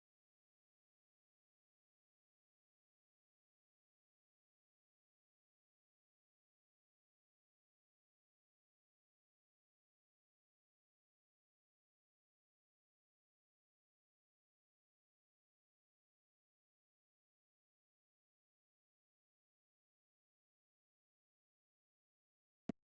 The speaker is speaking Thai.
โจ่เช่นที่นี่คุณไปจากไลฟ์และคุยกับแพทนี้